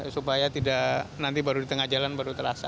supaya tidak nanti baru di tengah jalan baru terasa